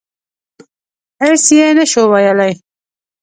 هېڅ یې نه شو ویلای.